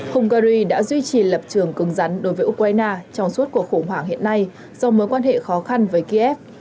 hungary đã duy trì lập trường cứng rắn đối với ukraine trong suốt cuộc khủng hoảng hiện nay do mối quan hệ khó khăn với kiev